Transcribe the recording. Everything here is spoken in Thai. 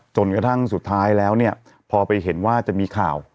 จนกระทั่งสุดท้ายแล้วเนี่ยพอไปเห็นว่าจะมีข่าว